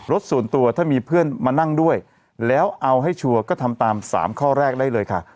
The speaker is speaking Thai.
ส่วนตัวถ้ามีเพื่อนมานั่งด้วยแล้วเอาให้ชัวร์ก็ทำตาม๓ข้อแรกได้เลยค่ะ